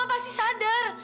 mama pasti sadar